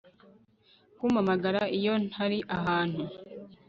Kumpamagara iyo ntari ahantu